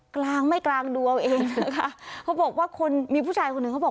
กลางไม่กลางดวงเอาเองนะคะเขาบอกว่าคนมีผู้ชายคนหนึ่งเขาบอก